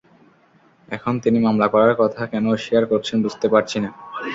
এখন তিনি মামলা করার কথা কেন অস্বীকার করছেন বুঝতে পারছি না।